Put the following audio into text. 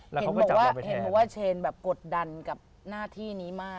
แล้วเขาก็จับเราไปแทนเห็นบอกว่าเชนกดดันกับหน้าที่นี้มาก